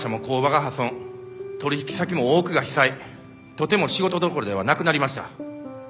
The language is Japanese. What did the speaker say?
とても仕事どころではなくなりました。